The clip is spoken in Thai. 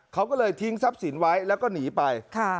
เขาก็เลยทิ้งทรัพย์สินไว้แล้วก็หนีไป